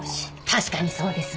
確かにそうですな。